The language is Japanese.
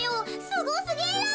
すごすぎる。